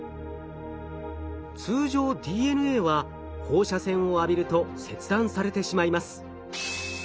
通常ＤＮＡは放射線を浴びると切断されてしまいます。